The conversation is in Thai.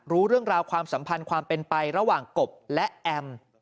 รู้เรื่องราวความสัมพันธ์ความเป็นไประหว่างกบและแอม